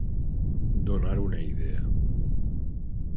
Donar una idea.